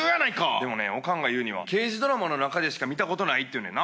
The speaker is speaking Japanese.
でもね、おかんが言うには、刑事ドラマの中でしか見たことがないって言うねんな。